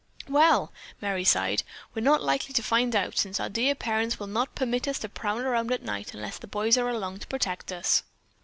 "Well," Merry sighed, "we're not likely to find out, since our dear parents will not permit us to prowl around at night unless the boys are along to protect us."